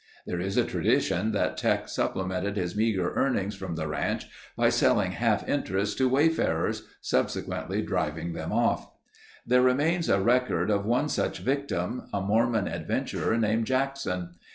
There is a tradition that Teck supplemented his meager earnings from the ranch by selling half interests to wayfarers, subsequently driving them off. There remains a record of one such victim—a Mormon adventurer named Jackson.